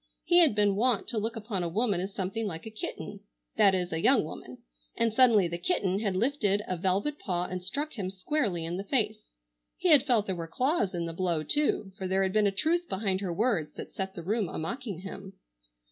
He had been wont to look upon a woman as something like a kitten,—that is, a young woman,—and suddenly the kitten had lifted a velvet paw and struck him squarely in the face. He had felt there were claws in the blow, too, for there had been a truth behind her words that set the room a mocking him.